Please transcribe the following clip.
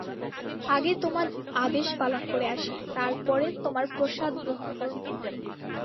আগে তোমার আদেশ পালন করে আসি, তার পরে তোমার প্রসাদ গ্রহণ করব।